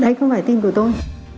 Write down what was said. đấy không phải tin của tôi